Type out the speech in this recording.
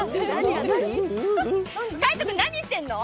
海音君、何してんの？